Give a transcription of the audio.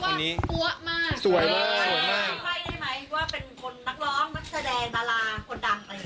เข้าใจได้ไหมว่าเป็นคนนักร้องนักแสดงนาราคนดังอะไรอย่างนั้น